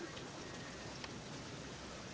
พวกเขาถ่ายมันตรงกลาง